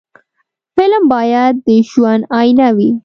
فلم باید د ژوند آیینه وي